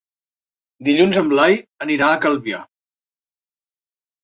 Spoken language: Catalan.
Dilluns en Blai anirà a Calvià.